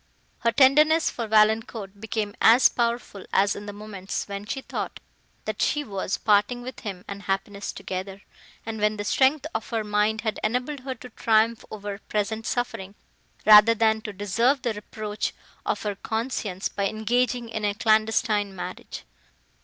Her tenderness for Valancourt became as powerful as in the moments, when she thought, that she was parting with him and happiness together, and when the strength of her mind had enabled her to triumph over present suffering, rather than to deserve the reproach of her conscience by engaging in a clandestine marriage.